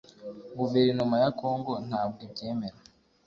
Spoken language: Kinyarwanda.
guverinoma ya Congo ntabwo ibyemera